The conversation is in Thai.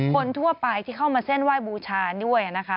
คนทั่วไปที่เข้ามาเส้นไหว้บูชาด้วยนะคะ